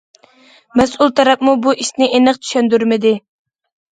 مەسئۇل تەرەپمۇ بۇ ئىشنى ئېنىق چۈشەندۈرمىدى.